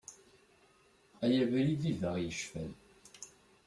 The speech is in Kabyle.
Ay abrid i d aɣ-icfan.